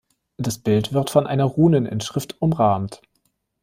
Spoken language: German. Das Bild wird von einer Runeninschrift umrahmt.